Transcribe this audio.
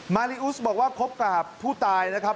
มาริอุสบอกว่าคบกับผู้ตายนะครับ